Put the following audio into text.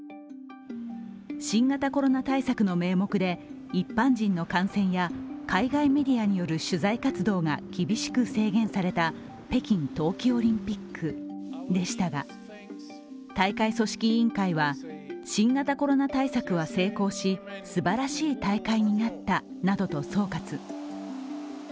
新型コロナ対策の名目で一般人の観戦や海外メディアによる取材活動が厳しく制限された北京冬季オリンピックでしたが、大会組織委員会は新型コロナ対策は成功しすばらしい大会になったなどと総括。